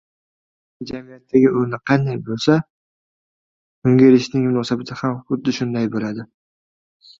Ayol kishining jamiyatdagi o‘rni qanday bo‘lsa, unga erining munosabati ham xuddi shunday.